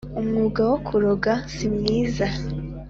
Umwuga wo kuroga si mwiza